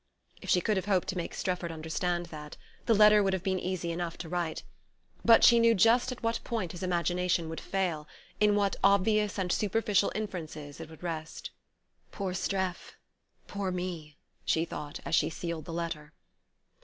If she could have hoped to make Strefford understand that, the letter would have been easy enough to write but she knew just at what point his imagination would fail, in what obvious and superficial inferences it would rest. "Poor Streff poor me!" she thought as she sealed the letter.